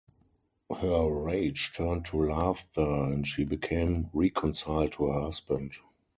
Her rage turned to laughter, and she became reconciled to her husband.